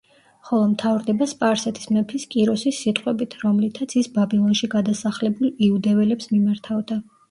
ხოლო მთავრდება სპარსეთის მეფის კიროსის სიტყვებით, რომლითაც ის ბაბილონში გადასახლებულ იუდეველებს მიმართავდა.